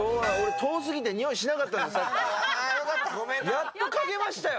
やっとかげましたよ。